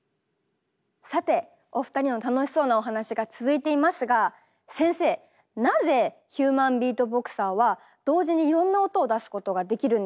さてお二人の楽しそうなお話が続いていますが先生なぜヒューマンビートボクサーは同時にいろんな音を出すことができるのでしょうか？